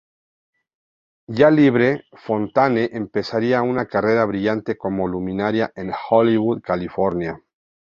Ya libre, Fontane empezaría una carrera brillante como luminaria en Hollywood California.